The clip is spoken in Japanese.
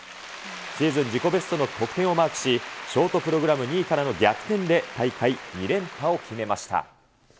シーズン自己ベストの得点をマークし、ショートプログラム２位からの逆転で大会２連覇を決めました。